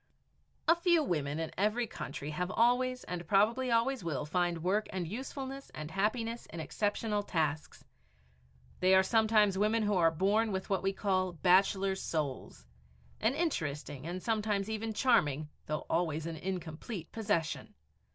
A few women in every country have always and probably always will find work and usefulness and happiness in exceptional tasks. They are sometimes women who are born with what we call "bachelor's souls" an interesting and sometimes even charming, though always an incomplete, possession!